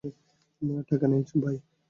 টাকা নেই, ভাই।